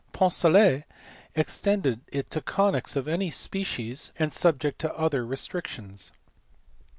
Poncelet extended it to conies of any species and subject to other restrictions.